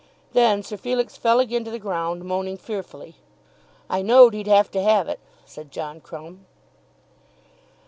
Then Sir Felix fell again to the ground, moaning fearfully. "I know'd he'd have to have it," said John Crumb.